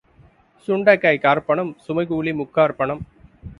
சுண்டைக்காய் காற்பணம், சுமை கூலி முக்காற்பணம்.